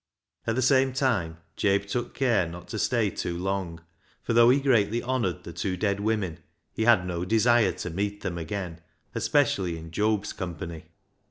At the same time Jabe took care not to stay too long, for though he greatly honoured the two dead women, he had no desire to meet them again, especially in Job's company.